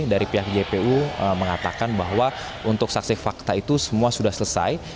dari pihak jpu mengatakan bahwa untuk saksi fakta itu semua sudah selesai